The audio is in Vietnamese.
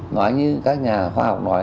nói như các nhà khoa học nói